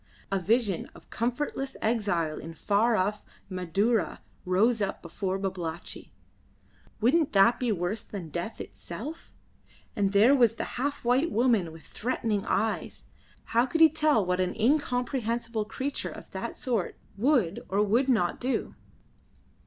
A vision of comfortless exile in far off Madura rose up before Babalatchi. Wouldn't that be worse than death itself? And there was that half white woman with threatening eyes. How could he tell what an incomprehensible creature of that sort would or would not do?